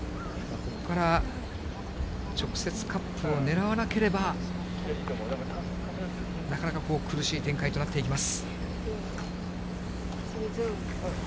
ここから直接カップを狙わなければ、なかなかこう、苦しい展開となっていきます。